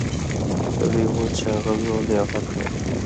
سړي وویل چې هغه زوړ دی او حق لري.